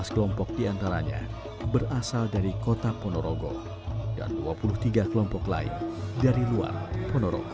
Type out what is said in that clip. dua belas kelompok diantaranya berasal dari kota ponorogo dan dua puluh tiga kelompok lain dari luar ponorogo